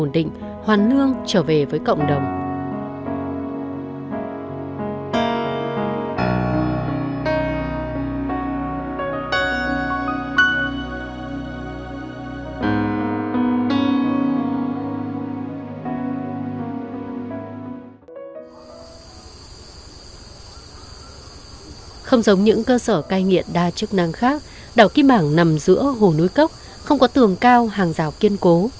không giống những cơ sở cai nghiện đa chức năng khác đảo kim bảng nằm giữa hồ núi cốc không có tường cao hàng rào kiên cố